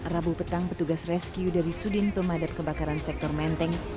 rabu petang petugas rescue dari sudin pemadam kebakaran sektor menteng